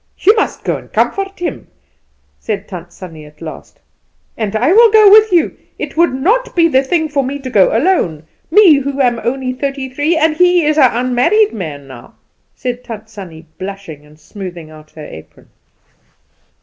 You must go and comfort him," said Tant Sannie at last, "and I will go with you. It would not be the thing for me to go alone me, who am only thirty three, and he an unmarried man now," said Tant Sannie, blushing and smoothing out her apron.